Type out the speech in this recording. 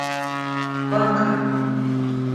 банка